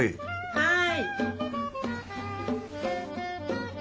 はい。